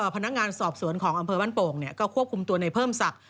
พนักงานสอบสวนของอำเภอบ้านโป่งก็ควบคุมตัวในเพิ่มศักดิ์